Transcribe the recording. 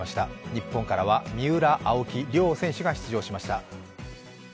日本からは三浦、青木両選手が出場しました。